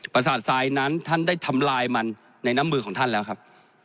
ประสาททรายนั้นท่านได้ทำลายมันในน้ำมือของท่านแล้วครับ